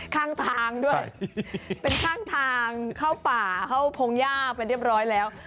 ข้างทางด้วยเป็นข้างทางเข้าป่าเข้าพงหญ้าไปเรียบร้อยแล้ว